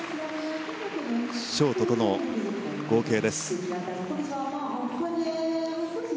ショートとの合計です。